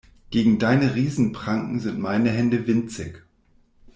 Gegen deine Riesen-Pranken sind meine Hände winzig.